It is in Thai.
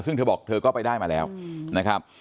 ซึ่งเธอบอกเธอก็ไปได้มาแล้วนะครับ